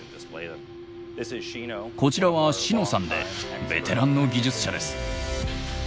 こちらはシノさんでベテランの技術者です。